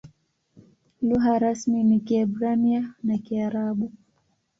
Lugha rasmi ni Kiebrania na Kiarabu.